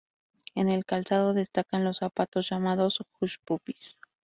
En el calzado, destacan los zapatos llamados hush puppies.